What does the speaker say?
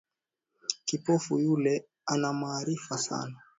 Kipofu yule ana maarifa sana